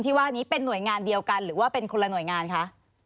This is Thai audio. ว่านี้เป็นหน่วยงานเดียวกันหรือว่าเป็นคนละหน่วยงานคะ